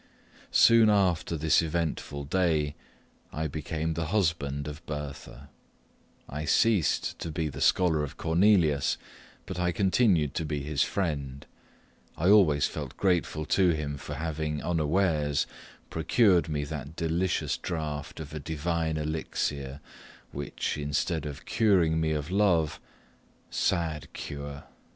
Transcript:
Soon after this eventful day, I became the husband of Bertha. I ceased to be the scholar of Cornelius, but I continued his friend. I always felt grateful to him for having, unawares, procured me that delicious draught of a divine elixir, which, instead of curing me of love (sad cure!